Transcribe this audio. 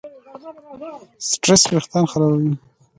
سټرېس وېښتيان خرابوي.